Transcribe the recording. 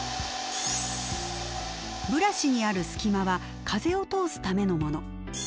ブラシにある隙間は風を通すためのもの。